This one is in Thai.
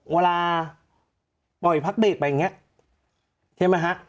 เวลาได้รอบพลังเคสไป